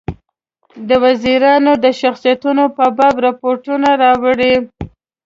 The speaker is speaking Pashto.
د وزیرانو د شخصیتونو په باب رپوټونه راوړي.